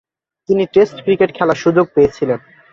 তিনি test cricket খেলার সুযোগ পেয়েছিলেন।